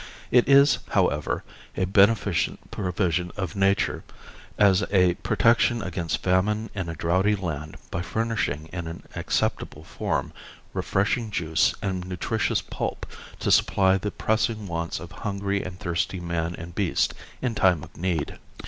It is, however, a beneficent provision of nature as a protection against famine in a droughty land by furnishing in an acceptable form, refreshing juice and nutritious pulp to supply the pressing wants of hungry and thirsty man and beast in time of need.